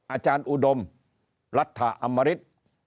อาจารย์อุดมรัฐอมริต